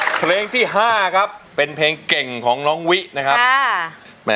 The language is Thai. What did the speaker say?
เพลงที่๕ครับเป็นเพลงเก่งของน้องวินะครับ